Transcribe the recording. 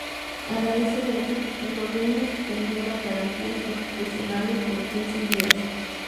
A raíz de ello, el gobierno suspendió las garantías constitucionales por quince días.